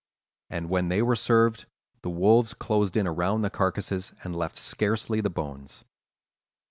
And when they were served, the wolves closed in around the carcasses and left scarcely the bones.